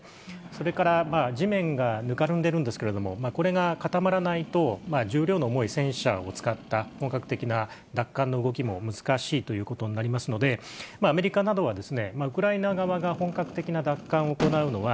それから地面がぬかるんですけれども、これが固まらないと、重量の重い戦車を使った本格的な奪還の動きも難しいということになりますので、アメリカなどはウクライナ側が本格的な奪還を行うのは、